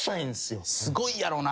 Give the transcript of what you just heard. すごいやろな。